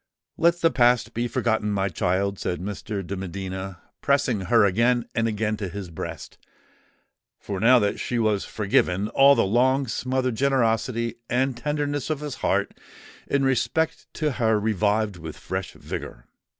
"Let the past be forgotten, my child!" said Mr. de Medina, pressing her again and again to his breast: for now that she was forgiven, all the long smothered generosity and tenderness of his heart in respect to her revived with fresh vigour.